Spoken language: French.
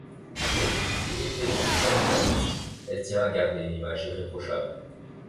Née et élevée dans une famille baptiste, elle tient à garder une image irréprochable.